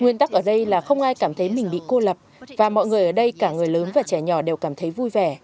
nguyên tắc ở đây là không ai cảm thấy mình bị cô lập và mọi người ở đây cả người lớn và trẻ nhỏ đều cảm thấy vui vẻ